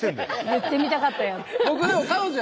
言ってみたかったやつ。